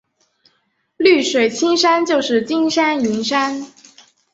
绿水青山就是金山银山